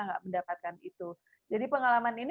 nggak mendapatkan itu jadi pengalaman ini